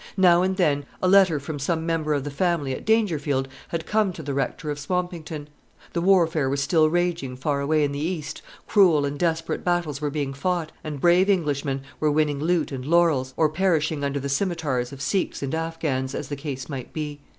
Now and then a letter from some member of the family at Dangerfield had come to the Rector of Swampington. The warfare was still raging far away in the East, cruel and desperate battles were being fought, and brave Englishmen were winning loot and laurels, or perishing under the scimitars of Sikhs and Affghans, as the case might be.